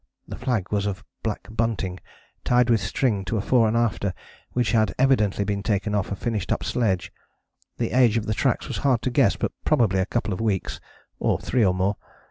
The flag was of black bunting tied with string to a fore and after which had evidently been taken off a finished up sledge. The age of the tracks was hard to guess but probably a couple of weeks or three or more.